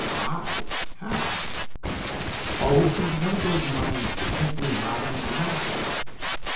"Odd? How?" "Oh, he's one of those minds you think we moderns lack."